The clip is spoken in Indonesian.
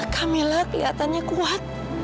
kamila kelihatannya kuat